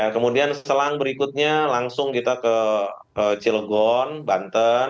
kemudian selang berikutnya langsung kita ke cilgon banten